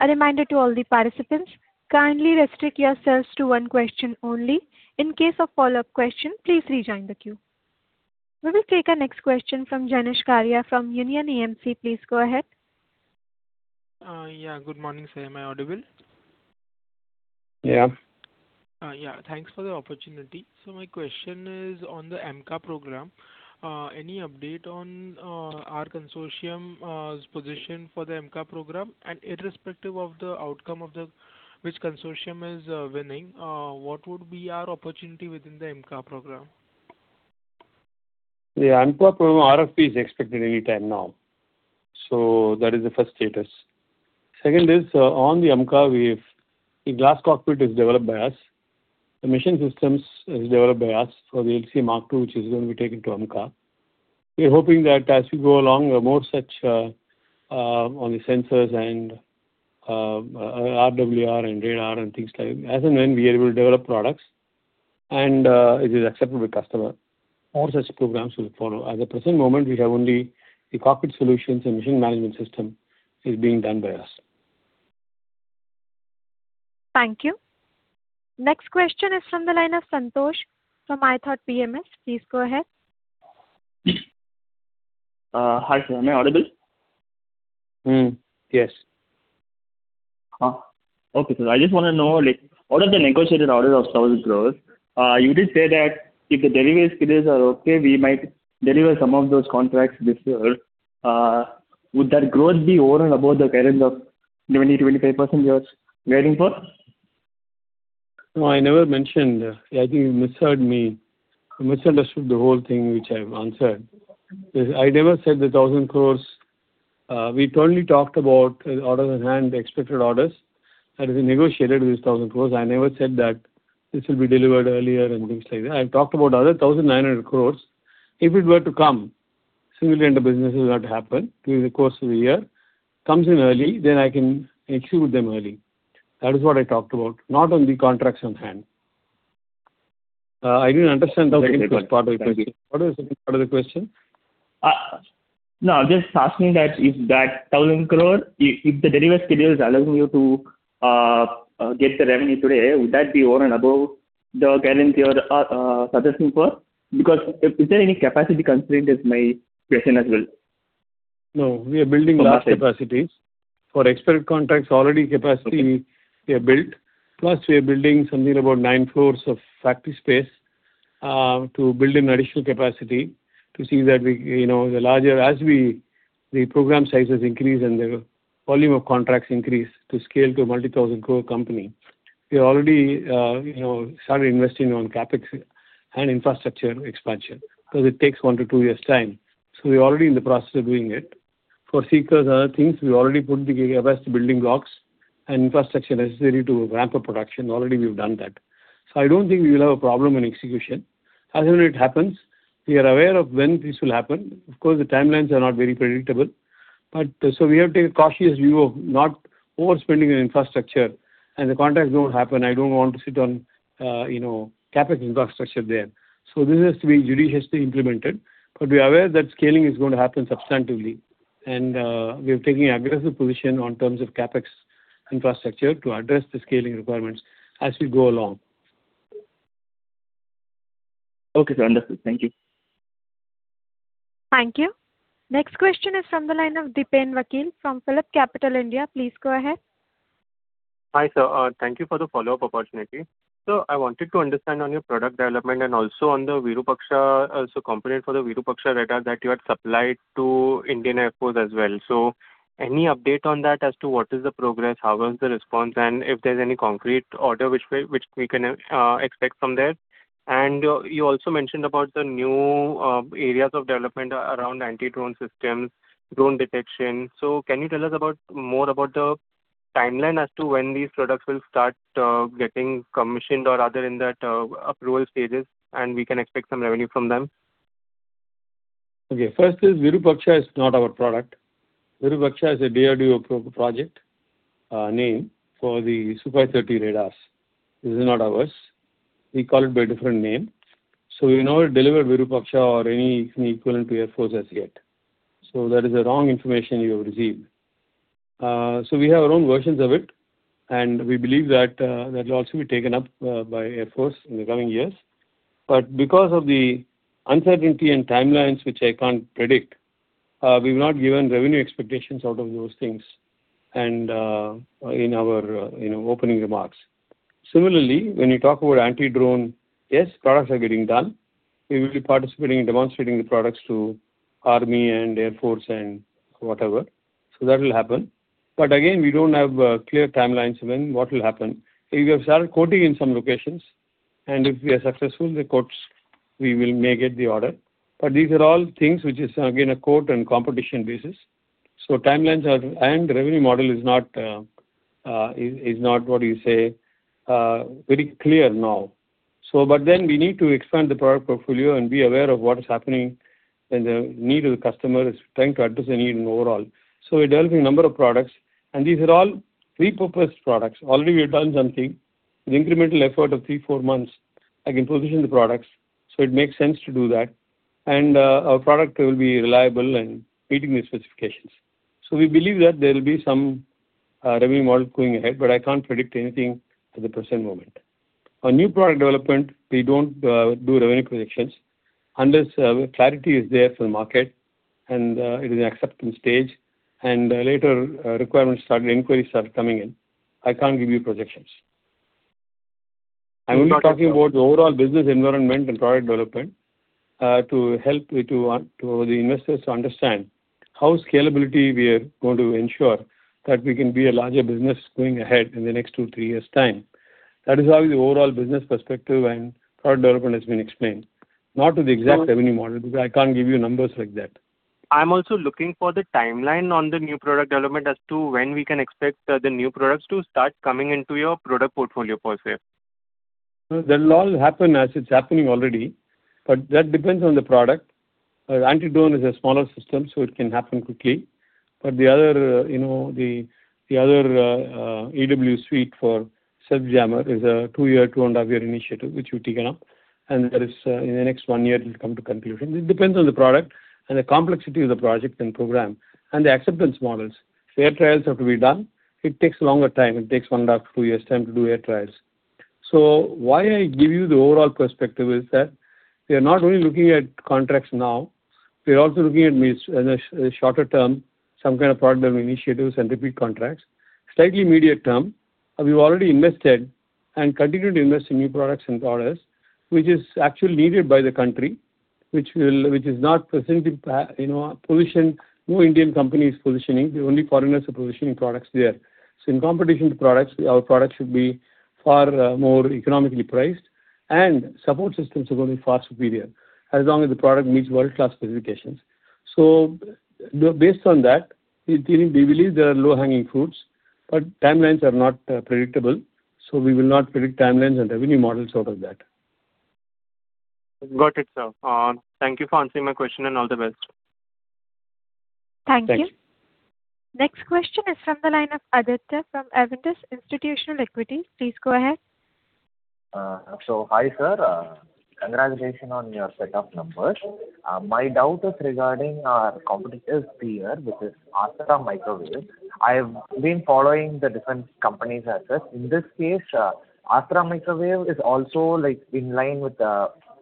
A reminder to all the participants, kindly restrict yourselves to one question only. In case of follow-up question, please rejoin the queue. We will take our next question from Jenish Karia from Union AMC. Please go ahead. Yeah, good morning, sir. Am I audible? Yeah. Yeah. Thanks for the opportunity. My question is on the AMCA program. Any update on our consortium position for the AMCA program? Irrespective of the outcome of the which consortium is winning, what would be our opportunity within the AMCA program? The AMCA program RFP is expected any time now so that is the first status. Second is, on the AMCA, the glass cockpit is developed by us. The mission systems is developed by us for the LCA Mk-2, which is going to be taken to AMCA. We are hoping that as we go along, more such, on the sensors and, RWR and radar and things like As and when we are able to develop products and, it is accepted by customer, more such programs will follow. At the present moment, we have only the cockpit solutions and mission management system is being done by us. Thank you. Next question is from the line of [Santosh] from ITUS PMS. Please go ahead. Hi, sir. Am I audible? Yes. Okay, sir. I just wanna know, like, out of the negotiated order of INR 1,000 crore, you did say that if the delivery schedules are okay, we might deliver some of those contracts this year. Would that growth be over and above the guidance of 20%-25% you are guiding for? No, I never mentioned. I think you misheard me, misunderstood the whole thing which I've answered. Yes, I never said the 1,000 crore. We totally talked about orders at hand, the expected orders that have been negotiated with 1,000 crore. I never said that this will be delivered earlier and things like that. I talked about other 1,900 crore. If it were to come, similarly in the business is what happened through the course of the year, comes in early, then I can execute them early. That is what I talked about, not on the contracts on hand. I didn't understand the second part of the question. Right, right. Thank you. What was the second part of the question? Just asking that if that 1,000 crore, if the delivery schedule is allowing you to get the revenue today, would that be over and above the guidance you are suggesting for? Because is there any capacity constraint is my question as well? No, we are building large capacities. Okay. For expected contracts, already capacity we have built. We are building something about nine floors of factory space to build in additional capacity to see that we, you know, as the program sizes increase and the volume of contracts increase to scale to a multi-thousand crore company, we already, you know, started investing on CapEx and infrastructure expansion, because it takes one to two years' time. We're already in the process of doing it. For seekers and other things, we already put the aggressive building blocks and infrastructure necessary to ramp up production. Already we've done that. I don't think we will have a problem in execution. As and when it happens, we are aware of when this will happen. Of course, the timelines are not very predictable. We have taken a cautious view of not overspending on infrastructure, and the contracts don't happen. I don't want to sit on, you know, CapEx infrastructure there. This has to be judiciously implemented. We are aware that scaling is going to happen substantively. We are taking aggressive position on terms of CapEx infrastructure to address the scaling requirements as we go along. Okay, sir. Understood. Thank you. Thank you. Next question is from the line of Dipen Vakil from PhillipCapital India. Please go ahead. Hi, sir. Thank you for the follow-up opportunity. Sir, I wanted to understand on your product development and also on the Virupaksha, component for the Virupaksha radar that you had supplied to Indian Air Force as well. Any update on that as to what is the progress, how was the response, and if there's any concrete order which we can expect from there? You also mentioned about the new areas of development around anti-drone systems, drone detection. Can you tell us more about the timeline as to when these products will start getting commissioned or other in that approval stages, and we can expect some revenue from them? Okay. First is Virupaksha is not our product. Virupaksha is a DRDO approved project, name for the Super 30 radars. This is not ours. We call it by a different name. We've not delivered Virupaksha or any equivalent to Air Force as yet. So that is a wrong information you have received. We have our own versions of it, and we believe that will also be taken up, by Air Force in the coming years, but because of the uncertainty and timelines, which I can't predict, we've not given revenue expectations out of those things and, in our, you know, opening remarks. Similarly, when you talk about anti-drone, yes, products are getting done. We will be participating and demonstrating the products to Army and Air Force and whatever. That will happen. Again, we don't have clear timelines when what will happen. We have started quoting in some locations, and if we are successful, the quotes, we may get the order, but these are all things which is, again, a quote and competition basis. Timelines are. Revenue model is not, what do you say, very clear now, but then we need to expand the product portfolio and be aware of what is happening and the need of the customer, is trying to address the need in overall. We're developing a number of products, and these are all repurposed products. Already we have done something. With incremental effort of three, four months, I can position the products, so it makes sense to do that. Our product will be reliable and meeting the specifications. We believe that there will be some revenue model going ahead, but I can't predict anything at the present moment. On new product development, we don't do revenue projections. Unless clarity is there for the market and it is in acceptance stage, and later requirements start, inquiries start coming in, I can't give you projections. I'm only talking about the overall business environment and product development to help to the investors to understand how scalability we are going to ensure that we can be a larger business going ahead in the next two, three years' time. That is how the overall business perspective and product development has been explained. Not to the exact revenue model, because I can't give you numbers like that. I'm also looking for the timeline on the new product development as to when we can expect the new products to start coming into your product portfolio per se. That will all happen as it's happening already, that depends on the product. Anti-drone is a smaller system, so it can happen quickly. The other, you know, the other EW suite for self-jammer is a two-year, two and a half year initiative which we've taken up, and that is in the next one year it will come to conclusion. It depends on the product and the complexity of the project and program, and the acceptance models. Air trials have to be done. It takes a longer time. It takes one and a half to two years' time to do air trials. Why I give you the overall perspective is that we are not only looking at contracts now, we are also looking at mid shorter term, some kind of product development initiatives and repeat contracts. Slightly immediate term, we've already invested and continued to invest in new products and orders, which is actually needed by the country, which is not presently, you know, positioned. No Indian company is positioning. The only foreigners are positioning products there. In competition to products, our product should be far more economically priced, and support systems are going to be far superior, as long as the product meets world-class specifications. Based on that, we believe there are low-hanging fruits, but timelines are not predictable, so we will not predict timelines and revenue models out of that. Got it, sir. Thank you for answering my question, and all the best. Thanks. Thank you. Next question is from the line of Aditya from Avendus Institutional Equity. Please go ahead. Hi, sir. Congratulations on your set of numbers. My doubt is regarding our competitive peer, which is Astra Microwave. I have been following the different companies access. In this case, Astra Microwave is also, like, in line with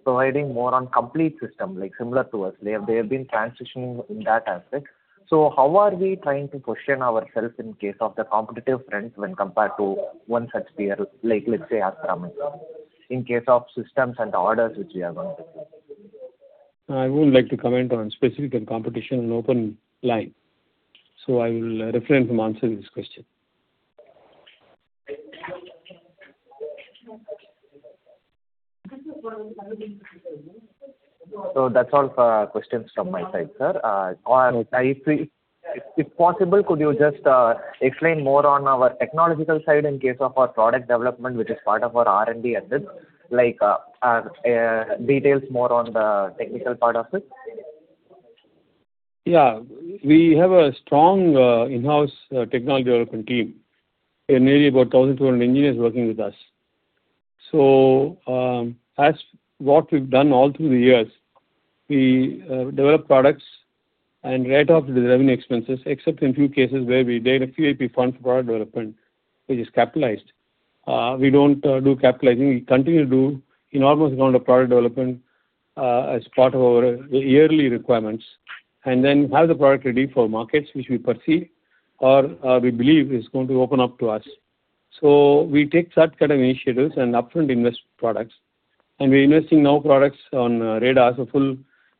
providing more on complete system, like similar to us. They have been transitioning in that aspect. How are we trying to position ourselves in case of the competitive front when compared to one such peer, like let's say Astra Microwave, in case of systems and orders which we have on the table? I wouldn't like to comment on specific and competition in open line, so I will refrain from answering this question. That's all for questions from my side, sir, or if possible, could you just explain more on our technological side in case of our product development, which is part of our R&D efforts, like details more on the technical part of it? We have a strong in-house technology development team. Nearly about 1,200 engineers working with us. As what we've done all through the years, we develop products and write off the revenue expenses, except in few cases where we made a CAP fund for product development, which is capitalized. We don't do capitalizing. We continue to do enormous amount of product development as part of our yearly requirements, and then have the product ready for markets which we perceive or we believe is going to open up to us. We take such kind of initiatives and upfront invest products, and we're investing now products on radars.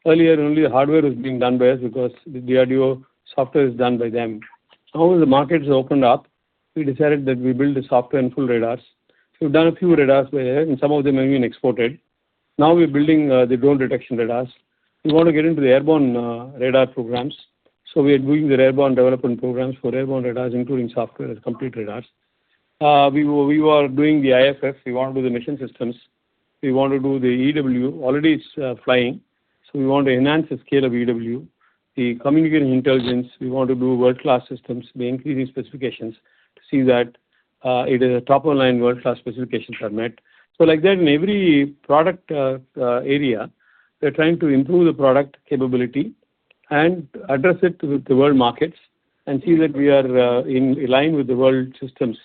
Earlier, only the hardware was being done by us because the DRDO software is done by them. The markets have opened up, we decided that we build the software and full radars. We've done a few radars by here, and some of them have been exported. We're building the drone detection radars. We want to get into the airborne radar programs, we are doing the airborne development programs for airborne radars, including software and complete radars. We were doing the IFF. We want to do the mission systems. We want to do the EW. Already it's flying, we want to enhance the scale of EW. The communication intelligence, we want to do world-class systems. We are increasing specifications to see that it is a top online world-class specifications are met. Like that, in every product area, we're trying to improve the product capability and address it to the world markets and see that we are in line with the world systems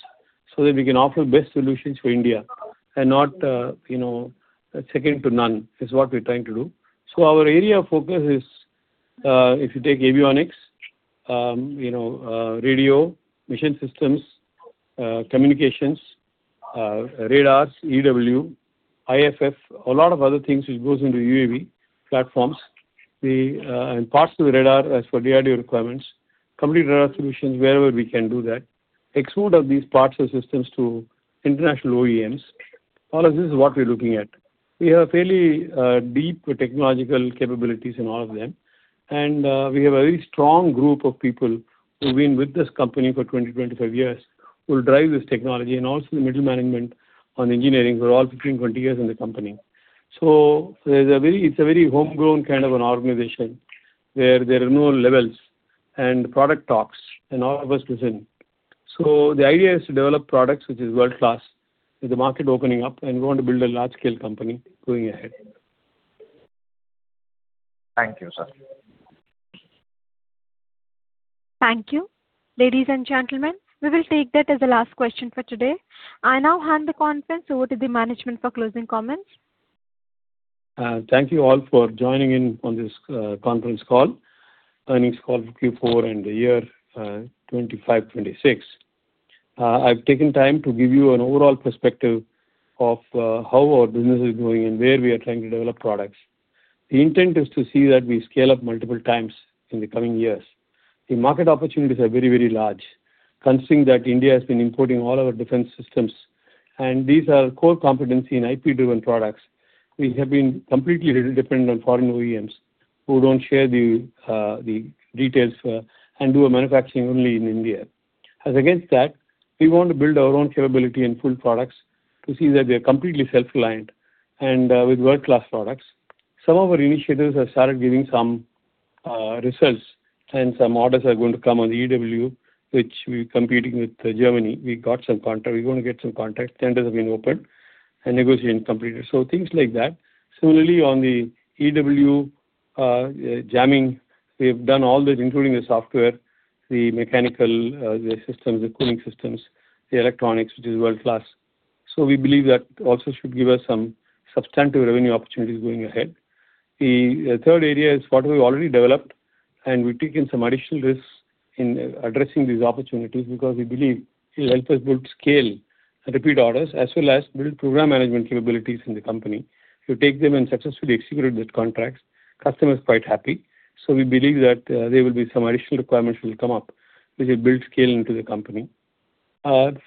so that we can offer best solutions for India and not, you know, second to none is what we're trying to do. Our area of focus is, if you take avionics, you know, radio, mission systems, communications, radars, EW, IFF, a lot of other things which goes into UAV platforms. And parts of the radar as for DRDO requirements, complete radar solutions wherever we can do that. Export of these parts and systems to international OEMs. All of this is what we are looking at. We have fairly deep technological capabilities in all of them, and we have a very strong group of people who've been with this company for 20, 25 years, who will drive this technology. Also the middle management on engineering who are all 15, 20 years in the company. There's a very homegrown kind of an organization, where there are no levels and product talks and all of us listen. The idea is to develop products which is world-class with the market opening up, and we want to build a large-scale company going ahead. Thank you, sir. Thank you. Ladies and gentlemen, we will take that as the last question for today. I now hand the conference over to the management for closing comments. Thank you all for joining in on this conference call, earnings call for Q4 and the year, FY 2025, FY 2026. I've taken time to give you an overall perspective of how our business is growing and where we are trying to develop products. The intent is to see that we scale up multiple times in the coming years. The market opportunities are very, very large, considering that India has been importing all our defense systems and these are core competency in IP-driven products. We have been completely dependent on foreign OEMs who don't share the details and do a manufacturing only in India. Against that, we want to build our own capability in full products to see that we are completely self-reliant and with world-class products. Some of our initiatives have started giving some results. Some orders are going to come on EW, which we're competing with Germany. We got some contract. We're going to get some contracts. Tenders have been opened and negotiation completed. Things like that. Similarly, on the EW jamming, we have done all that, including the software, the mechanical, the systems, the cooling systems, the electronics, which is world-class. We believe that also should give us some substantive revenue opportunities going ahead. The third area is what we've already developed and we've taken some additional risks in addressing these opportunities because we believe it'll help us build scale and repeat orders, as well as build program management capabilities in the company to take them and successfully execute those contracts. Customer is quite happy, so we believe that there will be some additional requirements will come up which will build scale into the company.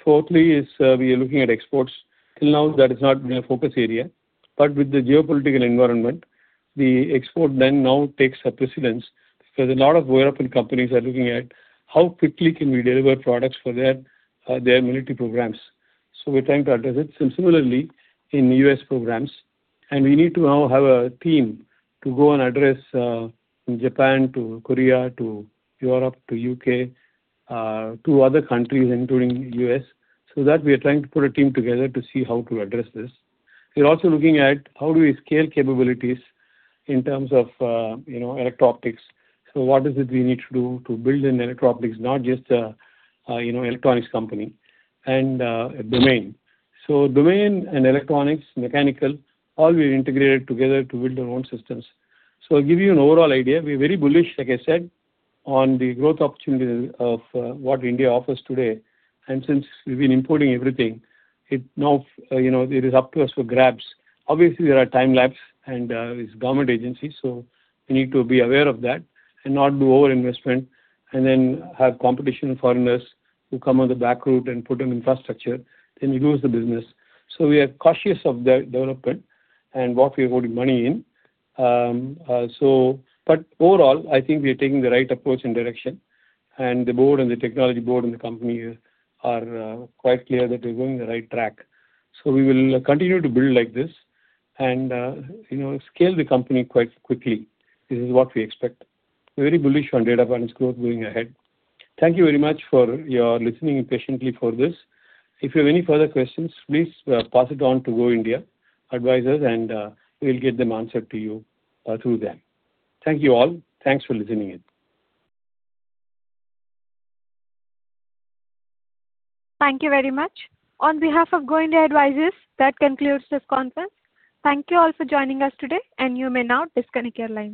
Fourthly is, we are looking at exports. Till now, that is not been a focus area. With the geopolitical environment, the export then now takes a precedence because a lot of weapon companies are looking at how quickly can we deliver products for their military programs. We're trying to address it. Similarly, in U.S. programs, and we need to now have a team to go and address from Japan to Korea to Europe to U.K., to other countries, including U.S. That we are trying to put a team together to see how to address this. We're also looking at how do we scale capabilities in terms of, you know, electro-optics. What is it we need to do to build an electro-optics, not just a, you know, electronics company and a domain. Domain and electronics, mechanical, all we integrated together to build our own systems. I'll give you an overall idea. We're very bullish, like I said, on the growth opportunities of what India offers today. Since we've been importing everything, it now, you know, it is up to us for grabs. Obviously, there are time lapse and it's government agency, so we need to be aware of that and not do over-investment and then have competition foreigners who come on the back route and put in infrastructure, then you lose the business. We are cautious of the development and what we are putting money in. Overall, I think we are taking the right approach and direction, and the board and the technology board and the company are quite clear that we're going the right track. We will continue to build like this and, you know, scale the company quite quickly. This is what we expect. We're very bullish on Data Patterns growth going ahead. Thank you very much for your listening patiently for this. If you have any further questions, please pass it on to Go India Advisors and we'll get them answered to you through them. Thank you all. Thanks for listening in. Thank you very much. On behalf of Go India Advisors, that concludes this conference. Thank you all for joining us today, and you may now disconnect your lines.